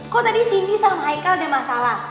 kok tadi sinti sama aikal ada masalah